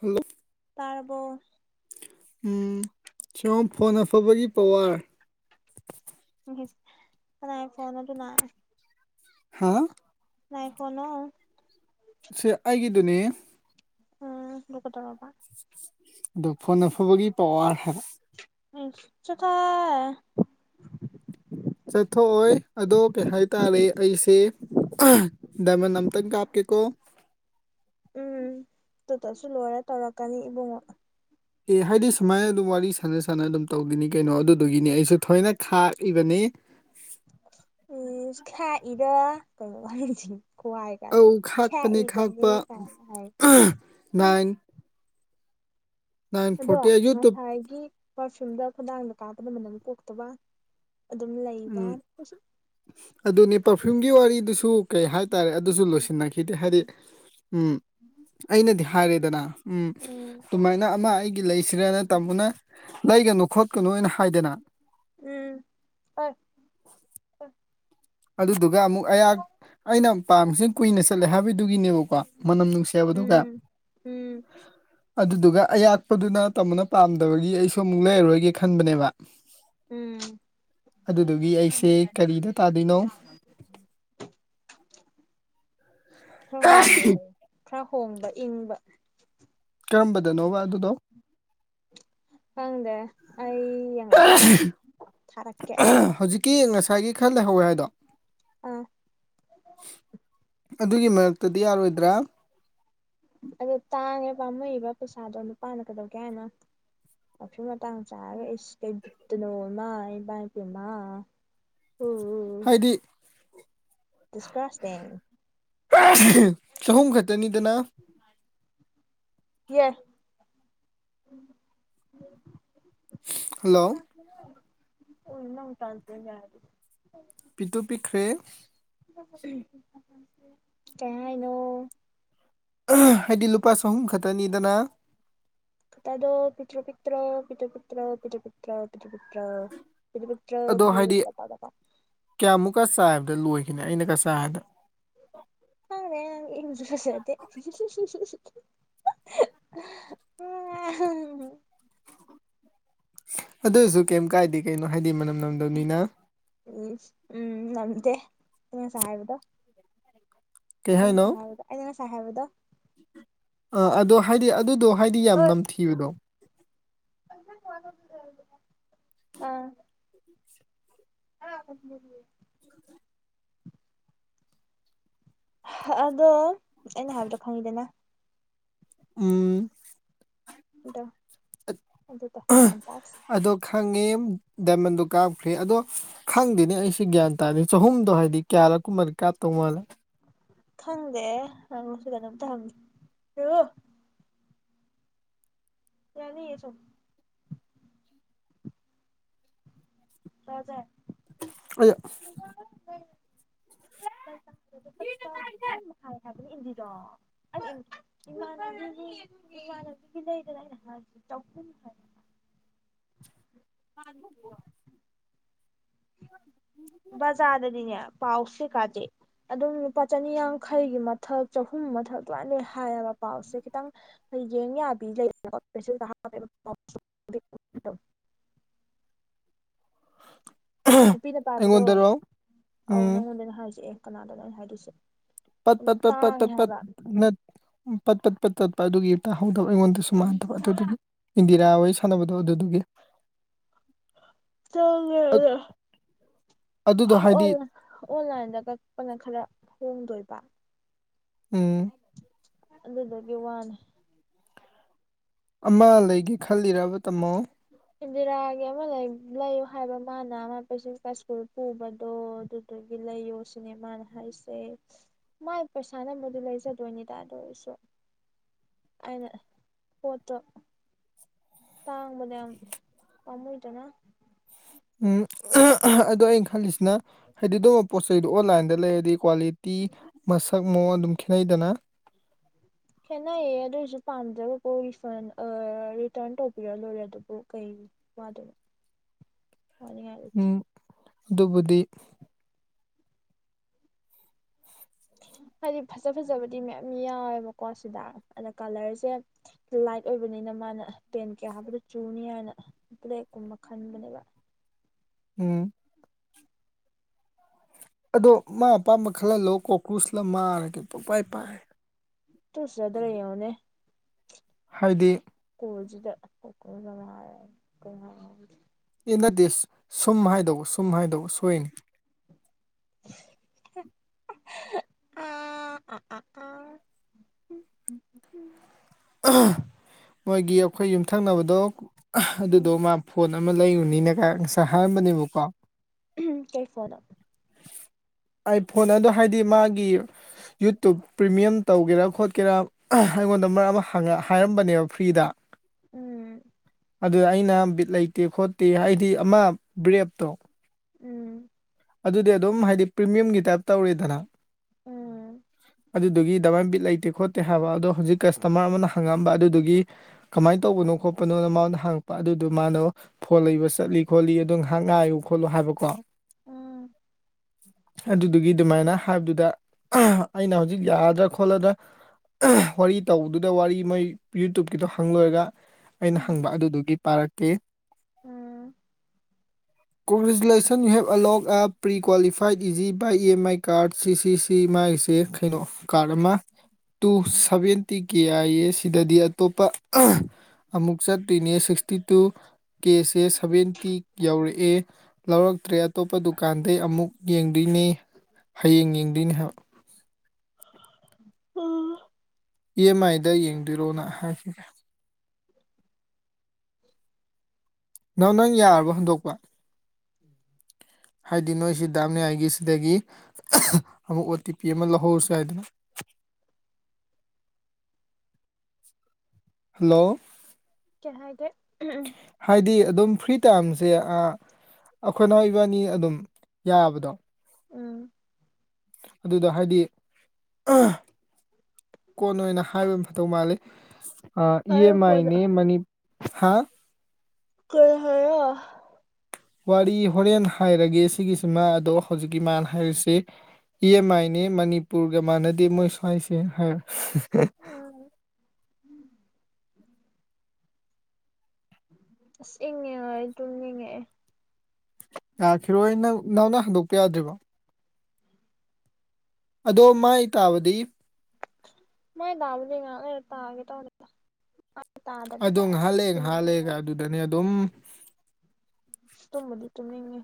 Hello ꯇꯥꯔꯕꯣ ꯎꯝ ꯁꯨꯝ ꯐꯣꯟ ꯑꯐꯕꯒꯤ ꯄꯋꯥꯔ ꯐꯣꯟꯣꯟ ꯑꯗꯨ ꯍꯥꯥ ꯉ ꯐꯣꯟꯅ ꯁꯤ ꯑꯩꯒꯤꯗꯨꯅꯦ ꯎꯝ ꯂ ꯀ ꯇꯔꯕ ꯑꯗꯨ ꯐꯣꯟ ꯑ ꯐꯕꯒꯤ ꯄꯋꯥꯔ ꯍꯥꯏꯕ ꯎ ꯆ ꯊꯥꯏ ꯆꯠꯊꯣꯛꯑꯣꯏ ꯑꯗꯣ ꯀꯩꯍꯇꯥꯔꯦ ꯑꯩꯁꯦ ꯗꯏꯃꯟ ꯅ ꯑꯃꯇꯪ ꯀ ꯀ ꯀꯣ ꯎꯝ ꯑꯗꯨꯗꯁꯨ ꯂꯣꯏꯔꯦ ꯇꯧꯔꯛꯀꯅꯤ ꯏꯕꯨꯡꯉꯣ ꯑꯦ ꯍꯥꯏꯗꯤ ꯁꯨꯃꯥꯏꯅ ꯑꯗꯨꯝ ꯋꯥꯔꯤ ꯁꯥꯟꯅ ꯁꯥꯟꯅ ꯑꯗꯨꯝ ꯇꯧꯗꯅꯤ ꯀꯩꯅꯣ ꯑꯗꯨꯗꯨꯒꯤꯅꯤ ꯑꯩꯁꯨ ꯊꯣꯏꯅ ꯈꯥꯛꯏꯕꯅꯤ ꯫ ꯎꯝ ꯈ ꯏꯔ ꯀ꯫ ꯑ ꯈꯥꯛꯄꯅꯦ ꯈꯥꯛꯄ ꯀꯥꯏꯅ ꯍꯥꯏ ꯎꯝ ꯅꯥꯏꯟ꯫ ꯅꯥꯏꯟ ꯑꯗꯣ ꯐꯣꯔꯇꯤ ꯌꯨꯇꯨꯞ ꯉꯁꯥꯏꯒꯤ ꯄꯥꯔꯐꯤꯌꯨꯝꯗ ꯈꯨꯟꯗꯥꯡꯗ ꯀꯥꯞꯄꯗ ꯃꯅꯝ ꯄꯣꯛꯇꯕ꯫ ꯑꯗꯨꯝ ꯎꯝ ꯂꯩꯕ꯫ ꯑꯗꯨꯅꯦ ꯄꯔꯐ꯭ꯌꯨꯝꯒꯤ ꯋꯥꯔꯤꯗꯨꯁꯨ ꯀꯩ ꯍꯥꯏꯇꯥꯔꯦ ꯑꯗꯨꯁꯨ ꯂꯣꯏꯁꯤꯟꯅꯈꯤꯗꯦ ꯍꯥꯏꯗꯤ꯫ ꯎꯝ ꯑꯩꯅ꯫ ꯍꯥꯏꯔꯦꯗꯅ ꯎꯝ ꯑꯗꯨꯨꯃꯥꯏꯅ ꯑꯃ ꯑꯩꯒꯤ ꯂꯩꯁꯤꯔꯅ ꯇꯥꯃꯣꯅ ꯂꯩꯒꯅꯨ꯫ ꯈꯣꯠꯀꯅꯨꯅ ꯍꯥꯏꯗꯅ꯫ ꯑ ꯑ ꯑꯗꯨꯗꯨꯒ ꯑꯃꯨꯛ ꯑꯩꯍꯥꯛ ꯑꯩꯅ ꯄꯥꯝꯃꯤꯁꯤꯅ ꯀꯨꯏꯅ ꯆꯠꯂꯦ ꯍꯥꯏꯕꯗꯨꯒꯤꯅꯦꯕꯀꯣ ꯃꯅꯝ ꯅꯨꯡꯁꯤ ꯍꯥꯏꯕꯗꯨꯒ ꯎꯝ ꯎꯝ [inaudible] ꯑꯗꯨꯗꯨꯒ ꯑꯌꯥꯛꯄꯗꯨꯅ ꯇꯝꯕꯅ ꯄꯥꯝꯗꯕꯒꯤ ꯑꯩꯁꯨ ꯑꯃꯨꯛ ꯂꯩꯔꯔꯣꯏꯒꯦ ꯈꯟꯕꯅꯦꯕ ꯎꯝ ꯑꯗꯨꯗꯨꯒꯤ ꯑꯩꯁꯦ ꯀꯔꯤꯗ ꯇꯥꯗꯣꯏꯅꯣ [inaudible] ꯍꯣꯡꯕ ꯏꯪꯕ ꯀꯔꯝꯕꯗꯅꯣꯕ ꯑꯗꯨꯗꯣ ꯍꯪꯗꯦ ꯊꯥꯔꯛꯀꯦ ꯑꯩ ꯍꯧꯖꯤꯛꯀꯤ ꯉꯁꯥꯏꯒꯤ ꯈꯔ ꯂꯩꯍꯧꯋꯦ ꯍꯥꯏꯗꯣ ꯑꯥ ꯑꯗꯨꯒꯤ ꯃꯔꯛꯇꯗꯤ ꯌꯥꯔꯣꯏꯗ꯭ꯔꯥ ꯑꯗꯣ ꯇꯥꯡꯉꯦ ꯄꯥꯝꯃꯨꯏꯕ ꯄꯩꯁꯥꯗꯣ ꯅꯨꯄꯥꯅ ꯀꯩꯗꯧꯒꯦ ꯍꯥꯏꯅꯣ ꯃꯐꯨ ꯃꯇꯥꯡ ꯆꯥꯔꯒ ꯑꯩꯁꯤ ꯀꯩꯕꯤꯠꯇꯅꯣ ꯏꯃ ꯏꯕꯥ ꯏ ꯄꯦꯝꯃ ꯍꯥꯏꯗꯤ ꯇꯁꯀꯥꯥꯁꯇ [inaudible] ꯆꯍꯨꯝ ꯈꯛꯇꯅꯤꯗꯅ ꯌꯦ [inaudible] ꯍꯜꯂꯣ ꯑꯣ ꯏꯅ ꯎ ꯇꯥꯟꯗꯅꯦ ꯌꯥ ꯍꯥꯏꯦ [inaudible] ꯄꯤꯇꯨ ꯄꯤꯛꯈ꯭ꯔꯦ ꯀꯩ ꯍꯥꯢꯅꯦ ꯍꯥꯏꯗꯤ ꯂꯨꯄꯥ ꯆꯍꯨꯝ ꯈꯛꯇꯅꯤꯗꯅ ꯑꯗꯣ ꯄꯤꯇ꯭ꯔꯣ ꯄꯤꯇ꯭ꯔꯣ ꯄꯤꯇꯣ ꯄꯨꯇ꯭ꯔꯣ ꯄꯤꯇꯨ ꯄꯤꯇ꯭ꯔꯣ ꯄꯤꯇꯨ ꯄꯨꯇ꯭ꯔꯣ ꯑꯗꯣ ꯍꯥꯏꯗꯤ ꯀꯌꯥꯃꯨꯛꯀ ꯆꯥꯏꯕꯗ ꯂꯣꯏꯈꯤꯅꯤ ꯑꯩꯅꯒ ꯆꯥꯏ ꯍꯥꯏꯕꯗ ꯈꯪꯗꯦ ꯅꯪꯗꯤ ꯏꯔꯨꯁꯨ ꯂꯨꯖꯗꯦ [unintelligible] ꯑꯗꯨꯏꯁꯨ ꯀꯦꯝ ꯀꯥꯏꯗꯦ ꯀꯩꯅꯣ ꯍꯥꯏꯗꯤ ꯃꯅꯝ ꯅꯝꯗꯧꯅꯤꯅ ꯑꯩꯅꯥ ꯉꯥꯁꯥꯏ ꯍꯥꯏꯕꯗꯣ ꯀꯩ ꯑꯩꯅ ꯍꯥꯏꯅꯣ ꯉꯁꯥꯏ ꯍꯥꯢꯕꯗꯣ ꯑꯩꯅ ꯉꯥꯁꯥꯢ ꯍꯥꯢꯕꯗꯣ ꯑꯥ ꯑꯗꯣ ꯍꯥꯏꯗꯤ ꯑꯗꯨꯗꯣ ꯍꯥꯏꯗꯤ ꯌꯥꯝ ꯅꯝꯊꯤꯕꯗꯣ ꯑꯥ ꯑꯦ [inaudible] ꯑꯗꯣ ꯑꯩꯅ ꯍꯥꯏꯕꯗꯣ ꯈꯪꯉꯤꯗꯅ ꯎꯝ ꯑꯗꯣ ꯑꯗꯨꯗꯣ ꯒ꯭ꯌꯥꯟ ꯇꯥꯁ ꯑꯗꯣ ꯈꯪꯉꯦ ꯗꯥꯏꯃꯟꯗꯣ ꯀꯥꯞꯈ꯭ꯔꯦ ꯑꯗꯣ ꯈꯪꯗꯦꯅꯦ ꯑꯩꯁꯦ ꯒ꯭ꯌꯥꯟ ꯇꯥꯔꯅꯤ ꯆꯍꯨꯝꯗꯣ ꯍꯥꯏꯗꯤ ꯀꯌꯥꯔꯛ ꯀꯨꯝꯕ ꯇꯣꯉꯥꯜꯂꯦ ꯈꯪꯗꯦ ꯍꯪꯁꯨ ꯀꯩꯅꯣꯝꯇ ꯍꯪꯉꯦ ꯀꯅꯤꯌꯦ ꯆꯨꯝ [inaudible] ꯇꯖꯦ [inaudible] ꯑꯗꯣ [inaudible] ꯃꯈꯥꯏ ꯍꯥꯏꯕꯅꯤ ꯏꯟꯗꯤꯗꯣ [inaudible] ꯦ ꯇ ꯍꯥꯏ [inaudible] ꯍ [inaudible] ꯕꯥꯖꯔ ꯗꯥꯗꯤꯅꯦ ꯄꯥꯎꯁꯦ ꯀꯥꯥꯁꯦ ꯑꯗꯨꯝ ꯂꯨꯄꯥ ꯆꯅꯤ ꯌꯥꯡꯈꯩꯒꯤ ꯃꯊꯛ ꯆꯍꯨꯝ ꯃꯊꯛ ꯑꯗꯨꯝꯃꯥꯢ ꯂꯣꯏ ꯍꯥꯏꯌꯦꯕ ꯄꯥꯎꯁꯦ ꯈꯤꯇꯪ ꯌꯦꯡ [inaudible] ꯅꯨꯄꯤꯅ ꯄꯥꯝꯕꯗꯣ ꯑꯩꯉꯣꯟꯗꯔꯣ ꯑꯧ ꯎꯝ ꯅꯪꯉꯣꯟꯗꯅ ꯍꯥꯏꯁꯦ ꯀꯅꯥꯗꯣ ꯑꯩꯅ ꯍꯥꯏꯗꯣꯏꯁꯦ ꯄꯠ ꯄꯠ ꯄ ꯄ ꯄ ꯇꯥꯡꯉꯦ ꯄ ꯍꯥꯏꯕ ꯄ ꯄ ꯄ ꯇꯠ ꯑꯗꯨꯒꯤ ꯇꯥꯍꯧꯗꯕ ꯑꯩꯉꯣꯟꯗꯁꯨ ꯃꯥꯟꯅꯗꯕ ꯑꯗꯨꯗꯨꯒꯤ ꯏꯟꯗꯤꯔꯥ ꯋꯥꯔꯤ ꯁꯥꯟꯅꯕꯗꯣ ꯑꯗꯨꯗꯨꯒꯤ ꯑ ꯆꯉꯗ ꯑꯗꯨꯗꯣ [inaudible] ꯍꯥꯏꯗꯤ ꯑꯣꯟꯂꯥꯏꯟꯗ ꯀꯛꯄꯅ ꯈꯔ ꯍꯣꯡꯗꯣꯏꯕ ꯎꯝ ꯑꯗꯨꯗꯨꯒꯤ ꯋꯥꯅꯦ ꯑꯃ ꯂꯩꯒꯦ ꯈꯜꯂꯤꯔꯕ ꯇꯥꯝꯃꯣ ꯏꯟꯗꯤꯔꯥꯒꯤ ꯑꯃ ꯂꯩ ꯂꯩꯌꯨ ꯍꯥꯏꯕ ꯃꯥꯅ ꯃꯥ ꯄꯩꯆ ꯀ ꯁꯀꯨꯜ ꯄꯨꯕꯗꯣ ꯑꯗꯨꯒꯤ ꯂꯩꯌꯣ ꯁꯤꯅꯦꯃꯥꯅ ꯍꯥꯏꯁꯦ ꯃꯥꯏ ꯄꯩꯁꯥꯅꯕꯨꯗꯤ ꯂꯩꯖꯗꯣꯏꯅꯤ ꯑꯗꯣꯑꯣꯢꯔꯁꯨ ꯑꯩꯅ ꯄꯣꯠꯇꯣ ꯇꯥꯡꯉꯕꯅꯦ ꯌꯥꯝ ꯄꯝꯃꯨꯢꯗꯅ ꯎꯝ ꯑꯗꯣ ꯑꯩꯅ ꯈꯜꯂꯤꯁꯤꯅ ꯍꯥꯏꯗꯤ ꯑꯗꯨꯝꯕ ꯄꯣꯠ ꯆꯩꯗꯣ ꯑꯣꯟꯂꯥꯏꯟꯗ ꯂꯩꯔꯗꯤ ꯀ꯭ꯋꯥꯂꯤꯇꯤ ꯇ ꯇꯤ ꯃꯁꯛ ꯃꯑꯣꯡ ꯑꯗꯨꯝ ꯈꯦꯠꯅꯩꯗꯅ ꯈꯦꯠꯅꯩꯌꯦ ꯑꯗꯨ ꯑꯣꯏꯁꯨ ꯄꯥꯝꯖꯕꯀꯣ ꯔꯤꯐꯟ ꯔꯤꯇꯔꯟ ꯇꯧꯕꯤꯔ ꯂꯣꯏꯔꯦ ꯑꯗꯨꯕꯨ ꯀꯩ ꯋꯥ ꯑꯗꯨ ꯎꯝ ꯗꯨꯕꯨꯨꯗꯤ [inaudible] ꯍꯥꯏꯗꯤ ꯐꯖ ꯐꯖꯕꯗꯤ ꯃꯌꯥꯝ ꯌꯥꯎꯋꯦꯕꯀꯣ ꯁꯤꯗ ꯑꯗ ꯀꯂꯔꯁꯦ ꯂꯥꯏꯠ ꯑꯣꯏꯕꯅꯤꯅ ꯃꯥꯅ ꯄꯦꯟ ꯀꯌꯥ ꯍꯥꯕꯗꯨ ꯆꯨꯅꯤ ꯍꯥꯏꯅ ꯕ꯭ꯂꯦꯛꯀꯨꯝꯕ ꯈꯟꯕꯅꯦꯕ ꯎꯝ ꯑꯗꯣ ꯃꯥ ꯑꯄꯥꯝꯕ ꯈꯜꯍꯜꯂꯣ ꯀꯣꯀ꯭ꯔꯨꯁꯂ ꯃꯥꯔꯒꯦ ꯄꯄꯥꯏ ꯄꯥꯏ ꯇ ꯆꯙꯔ ꯑꯣꯅꯦ ꯍꯥꯏꯗꯤ ꯖꯤꯗ ꯏꯟꯗ ꯗꯤꯁ ꯁꯨꯝ ꯍꯥꯏꯗꯧ ꯁꯨꯝ ꯍꯥꯏꯗꯧ ꯁꯣꯏꯅꯤ [inaudible] [inaudible] ꯃꯣꯏꯒꯤ ꯑꯩꯈꯣꯏ ꯌꯨꯝꯊꯪꯅꯕꯗꯣ ꯑꯗꯨꯗꯣ ꯃꯥ ꯐꯣꯟ ꯑꯃ ꯂꯩꯔꯨꯅꯤꯅ ꯉꯁꯥꯏ ꯍꯥꯏꯔꯝꯕꯅꯦꯕꯀꯣ ꯎꯝ ꯀꯩ ꯐꯣꯗ ꯑꯩ ꯐꯣꯟ ꯑꯗꯨꯗ ꯍꯥꯏꯗꯤ ꯃꯥꯒꯤ ꯌꯨꯇꯨꯞ ꯄ꯭ꯔꯤꯃꯤꯌꯝ ꯇꯧꯒꯦꯔꯥ ꯈꯣꯠꯀꯦꯔꯥ ꯑꯩꯉꯣꯟꯗ ꯃꯔꯝ ꯍꯥꯏꯔꯝꯕꯅꯦꯕ ꯐ꯭ꯔꯤꯗ ꯎꯝ ꯑꯗꯨꯗ ꯑꯩꯅ ꯕꯤꯠ ꯂꯩꯇꯦ ꯈꯣꯠꯇꯦ ꯍꯥꯏꯗꯤ ꯑꯃ ꯕ꯭ꯔꯦꯞꯇꯣ ꯎꯝ ꯑꯗꯨꯗꯤ ꯑꯗꯨꯝ ꯍꯥꯏꯗꯤ ꯄ꯭ꯔꯤꯃꯤꯌꯝꯒꯤ ꯇꯥꯏꯞ ꯇꯧꯔꯤꯗꯅ ꯎꯝ ꯑꯗꯨꯗꯨꯒꯤ ꯗꯃꯥꯏꯅ ꯕꯤꯠ ꯂꯩꯇꯦ ꯈꯣꯠꯇꯦ ꯍꯥꯏꯕ ꯑꯗꯣ ꯍꯧꯖꯤꯛ ꯀꯁꯇꯃꯔ ꯑꯃꯅ ꯍꯪꯉꯝꯕ ꯑꯗꯨꯗꯨꯒꯤ ꯀꯃꯥꯏꯅ ꯇꯧꯕꯅꯣ ꯈꯣꯠꯄꯅꯣꯅ ꯃꯥꯅ ꯍꯥꯡꯉꯛꯄ ꯑꯗꯨꯗꯨ ꯃꯥꯅ ꯐꯣꯟ ꯂꯩꯕ ꯆꯠꯂꯤ ꯈꯣꯠꯂꯤ ꯑꯗꯨꯝ ꯉꯥꯏꯌꯨ ꯈꯣꯠꯂꯨ ꯍꯥꯏꯕꯀꯣ ꯎꯝ ꯑꯗꯨꯗꯨꯒꯤ ꯑꯗꯨꯃꯥꯏꯅ ꯍꯥꯏꯕꯗꯨꯗ ꯑꯩꯅ ꯍꯧꯖꯤꯛ ꯌꯥꯒꯗ꯭ꯔꯥ ꯈꯣꯠꯂꯗ꯭ꯔꯥ ꯋꯥꯔꯤ ꯇꯧꯕꯗꯨꯗ ꯋꯥꯔꯤ ꯃꯣꯏ ꯌꯨꯇꯨꯞꯀꯤꯗꯣ ꯍꯪꯂꯨꯔꯒ ꯑꯩꯅ ꯍꯪꯕ ꯑꯗꯨꯗꯨꯒꯤ ꯄꯥꯔꯛꯀꯦ ꯎꯝ ꯀꯣꯡꯒ꯭ꯔꯦꯆꯨꯂꯦꯁꯟ ꯌꯨ ꯍꯕ ꯑꯂꯣꯡꯒ ꯑ ꯄ꯭ꯔꯤ ꯀ꯭ꯋꯥꯂꯤꯐꯥꯏ ꯈ꯭ꯋꯥꯏꯗ ꯏꯖꯤ ꯕꯥꯏ ꯏ ꯑꯦꯝ ꯑꯥꯏ ꯀꯥꯔꯗ ꯁꯤ ꯁꯤ ꯃꯥꯒꯤꯁꯦ ꯀꯩꯅꯣ ꯀꯥꯔꯠ ꯑꯃ ꯇꯨ ꯁꯚꯦꯟꯇꯤ ꯀꯦ ꯑꯥꯏꯌꯦ ꯁꯤꯗꯗꯤ ꯑꯇꯣꯞꯄ ꯑꯃꯃꯨꯛ ꯆꯠ ꯇ ꯁꯤꯛꯁꯇꯤ ꯇꯨ ꯀꯦꯁꯦ ꯁꯚꯦꯟꯇꯤ ꯌꯧꯔꯛꯑꯦ ꯂꯧꯔꯛꯇ꯭ꯔꯦ ꯑꯇꯣꯞꯄ ꯗꯨꯀꯥꯟꯗꯩ ꯑꯃꯨꯛ ꯌꯦꯡꯗꯣꯏꯅꯦ ꯍꯌꯦꯡ ꯌꯦꯡꯗꯣꯏꯅꯦ ꯍꯥꯏꯕ ꯎꯝ ꯏ ꯑꯦꯝ ꯑꯥꯏꯗ ꯌꯦꯡꯕꯤꯔꯣꯅ ꯍꯥꯏꯈꯤꯒꯦ ꯅꯪ ꯅꯪ ꯌꯥꯔꯕ ꯍꯟꯗꯣꯛꯄ ꯍꯥꯏꯗꯤ ꯅꯣꯏꯁꯤ ꯗꯥꯝꯅꯤꯌꯥꯏꯒꯤ ꯁꯤꯗꯒꯤ ꯑꯃꯨꯛ ꯑꯣ ꯇꯤ ꯄꯤ ꯑꯃ ꯂꯧꯍꯧꯔꯁꯨ ꯍꯥꯏꯗꯅ [inaudible] ꯍꯜꯂꯣ ꯀꯩ ꯍꯥꯏꯒꯦ ꯍꯥꯏꯗꯤ ꯑꯗꯨꯝ ꯐ꯭ꯔꯤꯠ ꯇꯝꯁꯦ ꯑꯩꯈꯣꯏꯅ ꯑꯣꯏꯕ ꯑꯅꯤ ꯑꯗꯨꯝ ꯌꯥꯕꯗꯣ ꯎꯝ ꯑꯗꯨꯗ ꯍꯥꯏꯗꯤ ꯀꯣꯟꯅ ꯑꯣꯏꯅ ꯍꯥꯏꯕ ꯃꯊꯧ ꯃꯥꯜꯂꯤ ꯑ ꯏ ꯍꯥꯏꯔꯣ ꯑꯦꯦꯝ ꯀꯣꯟꯅ ꯑꯥꯏꯅꯦ ꯃꯅꯤ ꯍꯥ ꯀꯔ ꯍꯥꯏ ꯋꯥꯔꯤ ꯍꯣꯔꯦꯟ ꯍꯥꯏꯔꯒꯦ ꯁꯤꯒꯤꯁꯤꯃ ꯑꯗꯣ ꯍꯧꯖꯤꯛꯀꯤ ꯃꯥꯅ ꯍꯥꯏꯔꯤꯁꯤ ꯏ ꯑꯦꯝ ꯑꯥꯏꯅꯦ ꯃꯅꯤꯄꯨꯔꯒ ꯃꯥꯟꯅꯗꯦ ꯃꯣꯏ ꯁ꯭ꯋꯥꯏꯁꯦꯅ ꯍꯥꯏꯔ ꯎꯝ ꯑꯁ ꯏꯪꯉꯉ ꯑꯩ ꯑꯗꯨꯝ ꯌꯦꯡꯉꯛꯑꯦ ꯌꯥꯈꯤꯔꯣꯏ ꯅꯪ ꯅꯍꯪꯅ ꯍꯟꯗꯣꯛꯄ ꯌꯥꯗ꯭ꯔꯤꯕ ꯑꯗꯣ ꯃꯥ ꯏ ꯇꯥꯕꯗꯤ ꯃꯣꯏꯗꯥꯕꯨꯗꯤ ꯉ ꯂꯩ ꯇꯒꯦ ꯇꯗ ꯑꯗꯣ ꯉꯥꯏꯍꯜꯂꯦ ꯉꯍꯥꯜꯂꯦꯒ ꯃꯑꯣꯡ ꯑꯗꯨꯗꯅꯦ ꯑꯗꯨꯝ ꯇꯨꯝꯕꯗꯤ ꯇꯨꯝꯅꯤꯡꯉꯦ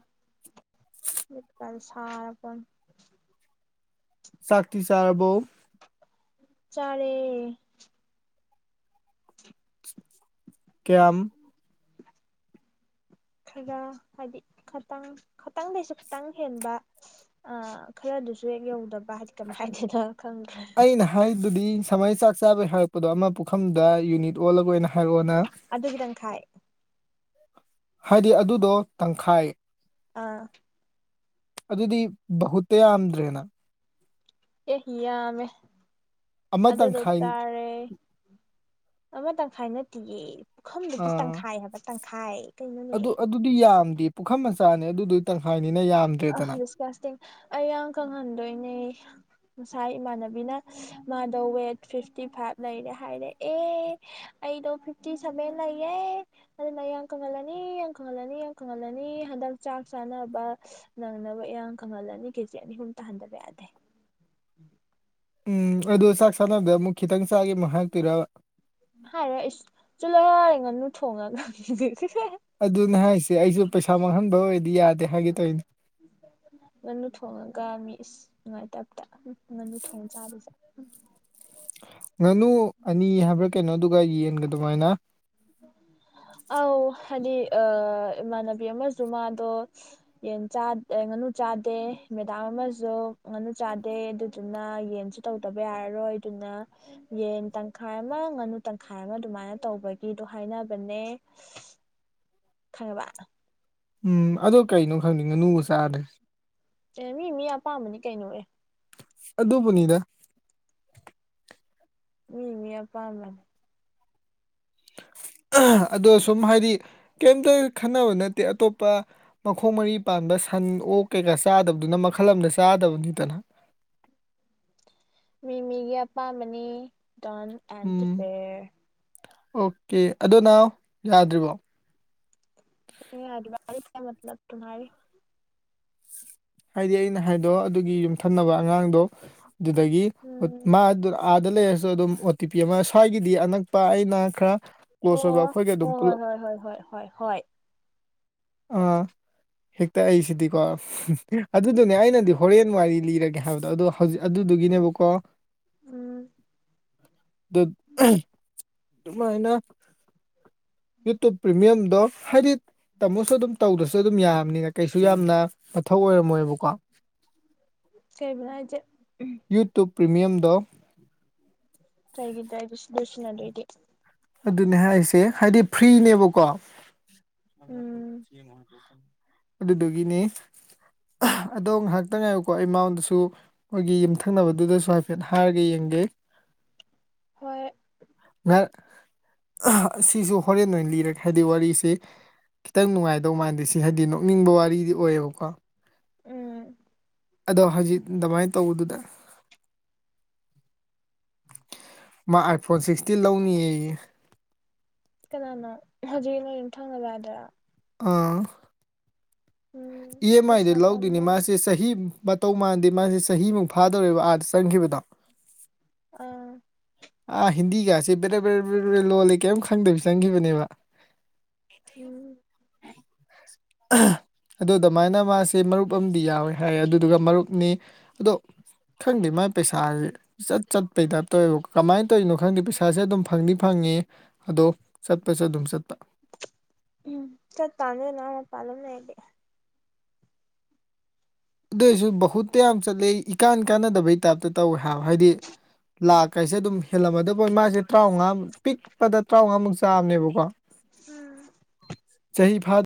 ꯏꯠꯀꯜ ꯁꯥꯄ ꯆꯥꯛꯇꯤ ꯆꯥꯔꯔꯕꯣ ꯆꯔꯦ ꯀꯌꯥꯝꯝ ꯈꯔ ꯍꯥꯏꯗꯤ ꯈꯇꯪ ꯈꯇꯪꯗꯩꯁꯨ ꯈꯤꯇꯪ ꯍꯦꯟꯕ ꯈꯔ ꯑꯗꯨꯁꯨ ꯍꯦꯛ ꯌꯧꯗꯕ ꯍꯥꯏꯗꯤ ꯀꯩꯅꯣ ꯍꯥꯏꯗꯦꯅ ꯈꯪꯈ꯭ꯔꯦ ꯑꯗꯨꯗꯤ ꯁꯃꯩ ꯆꯥꯛ ꯆꯥꯕꯩ ꯍꯥꯏꯔꯛꯄꯗꯣ ꯑꯃ ꯄꯨꯈꯝꯗꯨꯗ ꯌꯨꯅꯤꯠ ꯑꯣꯜꯂꯒ ꯑꯣꯏꯅ ꯍꯥꯏꯔꯛꯑꯣꯅ ꯑꯗꯨ ꯈꯤꯇꯪꯈꯥꯏ ꯍꯥꯏꯗꯤ ꯑꯗꯨꯗꯣ ꯇꯪꯈꯥꯏ ꯑꯥ ꯑꯗꯨꯗꯤ ꯕꯍꯨꯇ ꯌꯥꯝꯗ꯭ꯔꯦꯅ ꯑꯦ ꯍ ꯌꯥꯝꯃꯦ ꯑꯃ ꯑꯗꯨꯗ ꯇꯪꯈꯥꯏ ꯇꯥꯔꯦ ꯑꯃꯇꯪ ꯈꯥꯏꯅꯠꯇꯤꯌꯦꯦ ꯑꯥ ꯑꯗꯨ ꯀꯩꯅꯣꯅꯦ ꯑꯗꯨꯗꯤ ꯌꯥꯝꯗꯤ ꯄꯨꯈꯝ ꯃꯆꯥꯅꯦ ꯑꯗꯨꯗꯨꯗꯤ ꯇꯪꯈꯥꯏ ꯑ ꯗꯤꯁꯀꯥꯁꯇꯤꯡ ꯑꯩ ꯌꯥꯝ ꯈꯪꯍꯟꯗꯣꯏꯅꯦ ꯉꯁꯥꯏ ꯏꯃꯥꯟꯅꯕꯤꯅ ꯃꯥꯗ ꯋꯦꯠ ꯐꯤꯐꯇꯤ ꯐꯥꯏꯚ ꯂꯩꯔꯦ ꯍꯥꯏꯔꯦ ꯑꯦ ꯑꯩꯗꯣ ꯐꯤꯐꯇꯤ ꯁꯚꯦꯟ ꯂꯩꯌꯦꯦ ꯑꯗꯨꯅ ꯌꯥꯝ ꯀꯪꯍꯜꯂꯅꯤ ꯌꯥꯝ ꯀꯪꯍꯜꯂꯅꯤ ꯌꯥꯝ ꯀꯪꯍꯜꯂꯅꯤ ꯍꯟꯗꯛ ꯆꯥꯛ ꯆꯥꯅꯕ ꯅꯪꯅꯕ ꯏꯔꯥꯡ ꯀꯪꯍꯜꯂꯅꯤ ꯀꯦꯖꯤ ꯑꯅꯤ ꯑꯍꯨꯝ ꯇꯥꯍꯟꯗꯕ ꯌꯥꯗꯦ ꯎꯝ ꯎꯝ ꯑꯗꯨꯗ ꯆꯥꯛ ꯁꯥꯟꯅꯕꯗ ꯑꯃꯨꯛ ꯈꯤꯇꯪ ꯆꯥꯒꯦ ꯑꯃꯨꯛ ꯍꯥꯛꯄꯤꯔ ꯍꯥꯏꯔꯣꯏ ꯑꯩꯁ ꯆꯂ ꯑꯩ ꯉꯅꯨ ꯊꯣꯡꯉ ꯑꯗꯨꯅꯦ ꯍꯥꯏꯁꯦ ꯑꯩꯁꯨ ꯄꯩꯁꯥ ꯃꯥꯡꯍꯟꯕ ꯑꯣꯏꯔꯗꯤ ꯌꯥꯗꯦ ꯍꯥꯏꯒꯦ ꯇꯣꯏꯅꯦ ꯉꯥꯅꯨ ꯊꯣꯡꯉꯒ ꯃꯤ ꯅꯨꯡꯉꯥꯏꯇꯕꯇ ꯎ ꯉꯥꯅꯨ ꯊꯣꯡ ꯆꯥꯔꯤꯁꯦ ꯎꯝ ꯉꯥꯅꯨ ꯑꯅꯤ ꯍꯥꯏꯕ꯭ꯔꯥ ꯀꯩꯅꯣꯗꯨꯒ ꯌꯦꯟꯒ ꯑꯗꯨꯃꯥꯏꯅ ꯑꯧ ꯍꯥꯏꯗꯤ ꯏꯃꯥꯟꯅꯕꯤ ꯑꯃꯁ ꯃꯥꯗꯣ ꯌꯦꯟ ꯆꯥꯗ ꯉꯥꯅꯨ ꯆꯥꯗꯦ ꯃꯦꯗꯥꯝ ꯑꯃꯁꯨ ꯉꯥꯅꯨ ꯆꯥꯗꯦ ꯑꯗꯨꯗꯨꯅ ꯌꯦꯟꯁꯨ ꯇꯧꯗꯕ ꯌꯥꯔꯔꯣꯏ ꯗꯨꯅ ꯌꯦꯟ ꯇꯪꯈꯥꯏ ꯑꯃ ꯉꯥꯅꯨ ꯇꯪꯈꯥꯏ ꯑꯃ ꯑꯗꯨꯃꯥꯏꯅ ꯇꯧꯕꯒꯤ ꯒꯤꯗꯣ ꯍꯥꯏꯅꯕꯅꯦ ꯈꯪꯕ ꯎꯝ ꯑꯗꯣ ꯀꯩꯅꯣ ꯈꯪꯅꯤꯡꯉꯅꯨꯒ ꯆꯥꯔꯔꯦ ꯑꯦ ꯃꯤ ꯃꯤ ꯑꯄꯥꯝꯕꯅꯤ ꯀꯩꯅꯣꯔꯦ ꯑꯗꯨꯕꯨꯅꯤꯗ ꯃꯤ ꯃꯤ ꯄꯝꯅꯦ [inaudible] ꯑꯗꯣ ꯁꯨꯝ ꯍꯥꯏꯗꯤ ꯀꯩꯝꯇ ꯈꯟꯅꯕ ꯅꯠꯇꯦ ꯑꯇꯣꯞꯄ ꯃꯈꯣꯡ ꯃꯔꯤ ꯄꯥꯟꯕ ꯁꯟ ꯑꯣꯛ ꯀꯩꯀꯥ ꯆꯥꯗꯕꯗꯨꯅ ꯃꯈꯜ ꯑꯃꯗ ꯆꯥꯗꯕꯅꯤꯗꯅ ꯃꯤꯃꯤꯒꯤ ꯑꯄꯥꯝꯕꯅꯤ ꯗ ꯑꯦꯟꯇ ꯎꯝ ꯐꯦꯔ ꯑꯣꯀꯦ ꯑꯗꯨ ꯅꯅꯥ ꯌꯥꯗ꯭ꯔꯤꯕꯣ ꯑ ꯀ ꯃꯂ ꯇꯨꯦ ꯍꯥꯏꯗꯤ ꯑꯩꯅ ꯍꯥꯏꯗꯣ ꯑꯗꯨꯒꯤ ꯌꯨꯝꯊꯅꯕ ꯑꯉꯥꯡꯗꯣ ꯑꯗꯨꯗꯒꯤ ꯎꯝ ꯃꯥ ꯗ ꯂꯩꯔꯁꯨ ꯑꯗꯨꯝ ꯑꯣ ꯇꯤ ꯄꯤ ꯑꯃ ꯁ꯭ꯋꯥꯏꯒꯤꯗꯤ ꯑꯅꯛꯄ ꯑꯩꯅ ꯈꯔ ꯀ꯭ꯂꯣꯁ ꯑꯣꯏꯕ ꯑꯣ ꯑꯩꯈꯣꯏꯒꯤ ꯑꯗꯨꯝ ꯍꯣꯏ ꯄꯨꯂꯞ ꯍꯣꯏ ꯍꯣꯏ ꯍꯣꯏ ꯍꯣꯏ ꯍꯣꯏ ꯍꯣꯏ ꯍꯣꯏ ꯑ ꯍ ꯇ ꯑꯩ ꯁꯤꯗꯤꯀꯣ ꯑꯗꯨꯗꯨꯅꯦ ꯑꯩꯅꯗꯤ ꯍꯣꯔꯦꯟ ꯋꯥꯔꯤ ꯂꯤꯔꯒꯦ ꯍꯥꯏꯕꯗꯣ ꯑꯗꯣ ꯍꯧꯖꯤꯛ ꯑꯗꯨꯗꯨꯒꯤꯅꯦꯕꯀꯣ ꯎꯝ ꯑꯗꯨ ꯑꯗꯨꯃꯥꯏꯅ ꯌꯣ ꯄꯤꯃꯌꯝ ꯑꯗꯣ ꯍꯥꯏꯗꯤ ꯇꯥꯃꯣꯁꯨ ꯑꯗꯨꯝ ꯇꯧꯗ꯭ꯔꯁꯨ ꯑꯗꯨꯝ ꯌꯥꯝꯅꯤꯅ ꯀꯩꯁꯨ ꯌꯥꯝꯅ ꯛ ꯑꯣꯏꯔꯝꯃꯣꯏꯕꯀꯣ ꯀꯩꯕꯨꯅꯣ ꯍꯥꯏꯖꯦ ꯌꯨꯇꯨꯞ ꯄ꯭ꯔꯤꯃꯤꯌꯝꯗ ꯇꯒꯤꯗ ꯏꯗꯤꯗꯔꯁꯟ ꯑꯗꯨ ꯏꯗꯤ ꯑꯗꯨꯅꯦ ꯍꯥꯏꯁꯦ ꯍꯥꯏꯗꯤ ꯐ꯭ꯔꯤꯅꯦꯕꯀꯣ ꯎꯝ ꯒꯅꯤ ꯑꯗꯣ ꯉꯥꯏꯍꯥꯛꯇꯪ ꯉꯥꯏꯌꯨꯀꯣ ꯑꯦꯃꯥꯎꯟꯗꯨꯁꯨ ꯃꯣꯏꯒꯤ ꯌꯨꯝꯊꯪꯅꯕꯗꯨꯗꯁꯨ ꯍꯥꯏꯐꯦꯠ ꯍꯥꯏꯔꯒ ꯌꯦꯡꯒꯦ [inaudible] ꯍꯣꯏ ꯑꯁꯤꯁꯨ ꯍꯣꯔꯦꯟ ꯑꯣꯏꯅ ꯂꯤꯔꯒꯦ ꯍꯥꯏꯗꯤ ꯋꯥꯔꯤꯁꯦ ꯈꯤꯇꯪ ꯅꯨꯡꯉꯥꯏꯗꯧ ꯃꯥꯟꯗꯦ ꯁꯤ ꯍꯥꯏꯗꯤ ꯅꯣꯛꯅꯤꯡꯕ ꯋꯥꯔꯤꯗꯤ ꯑꯣꯏꯌꯦꯕꯀꯣ ꯎꯝ ꯑꯗꯣ ꯍꯧꯖꯤꯛ ꯑꯗꯨꯃꯥꯏꯅ ꯇꯧꯕꯗꯨꯗ ꯃꯥ ꯑꯥꯏꯐꯣꯟ ꯁꯤꯛꯁꯇꯤ ꯂꯧꯅꯤꯌꯦ ꯀꯅꯥꯅꯣ ꯍꯧꯖꯤꯛ ꯅꯣꯏ ꯑꯗꯨꯝ ꯊꯪꯉꯕ ꯌꯥꯗ꯭ꯔꯥ ꯑꯥ ꯎꯝ ꯏ ꯑꯦꯝ ꯑꯥꯏꯗ ꯄꯩꯁꯥ ꯂꯧꯗꯣꯏꯅꯤ ꯄꯥꯝꯃꯣꯏ ꯃꯥꯁꯦ ꯆꯍꯤ ꯃꯇꯧ ꯃꯥꯟꯗꯦ ꯃꯥꯁ ꯆꯍꯤꯃꯨꯛ ꯐꯥꯗꯧꯔꯦꯕ ꯑꯥꯗ ꯆꯪꯈꯤꯕꯗꯣ ꯑꯥ ꯑꯥ ꯍꯤꯟꯗꯤꯒꯁꯦꯕꯦꯕꯦꯕ ꯂꯣꯜꯂꯦ ꯀꯔꯤꯝ ꯈꯪꯗꯕꯤ ꯆꯪꯈꯤꯕꯅꯦꯕ ꯎꯝ ꯑ ꯑꯗꯨ ꯑꯗꯨꯃꯥꯏꯅ ꯃꯥꯁꯦ ꯃꯔꯨꯞ ꯑꯃꯗꯤ ꯌꯥꯎꯋꯦ ꯍꯥꯏ ꯑꯗꯨꯗꯨꯒ ꯃꯔꯨꯞꯅꯤ ꯑꯗꯣ ꯈꯪꯗꯦ ꯃꯥꯥꯏ ꯄꯩꯁꯥ ꯆꯠ ꯆꯠꯄꯩ ꯅꯠꯇꯧꯋꯕ ꯀꯃꯥꯏꯅ ꯇꯧꯔꯤꯅꯣ ꯈꯪꯗꯦ ꯄꯩꯁꯥꯁꯦ ꯑꯗꯨꯝ ꯐꯪꯅꯤ ꯐꯪꯏ ꯆꯪꯉꯤ ꯑꯗꯣ ꯆꯠꯄꯁꯨ ꯑꯗꯨꯝ ꯆꯠꯄ ꯎꯝ ꯆꯠ ꯇ ꯑꯗꯨ ꯂꯄꯂꯅ ꯏꯗꯤꯦ ꯑꯗꯨꯏꯁꯨ ꯨꯠꯇ ꯌꯥꯝ ꯆꯠꯂ ꯏꯀꯥꯟ ꯀꯥꯟꯅꯗꯕꯩ ꯇꯥꯏꯞꯇ ꯇꯧꯋꯦ ꯍꯥꯏꯗꯤ ꯂꯥꯛ ꯀꯁꯦ ꯑꯗꯨꯝ ꯊꯦꯜꯂꯝꯃꯗꯕꯣꯏ ꯃꯥꯁꯦ ꯇꯔꯥꯃꯉꯥꯨꯛ ꯄꯤꯛꯄꯗ ꯇꯔꯥꯃꯉꯥꯃꯨꯛ ꯆꯥꯕꯅꯦꯕꯀꯣ ꯎꯝ ꯆꯍꯤ ꯐꯥ